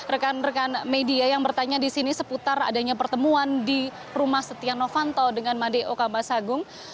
rekan rekan media yang bertanya di sini seputar adanya pertemuan di rumah setia novanto dengan madeo kambasagung